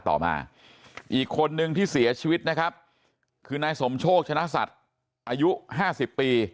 ต่อมาอีกคนนึงที่เสียชีวิตนะครับคือนายสมโชคชนะสัตว์อายุห้าสิบปี